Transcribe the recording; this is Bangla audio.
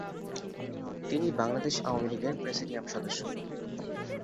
তিনি বাংলাদেশ আওয়ামীলীগের প্রেসিডিয়াম সদস্য।